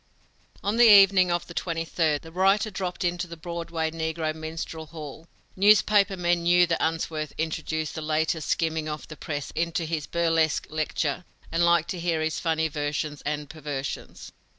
On the evening of the twenty third, the writer dropped into the Broadway negro minstrel hall. Newspaper men knew that Unsworth introduced the latest skimming of the press into his burlesque lecture and liked to hear his funny versions and perversions.